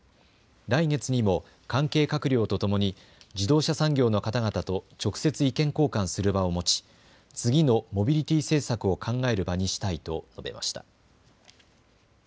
来月にも関係閣僚とともに自動車産業の方々と直接、意見交換する場を持ち次のモビリティ政策を考える場にしたいと述べました。